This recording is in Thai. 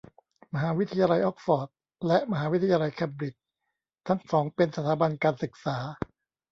มหาวิทยาลัยอ๊อกซ์ฟอร์ด และ มหาวิทยาลัยแคมบริดจ์ ทั้งสองเป็นสถาบันการศึกษา